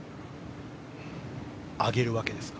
上げるわけですか？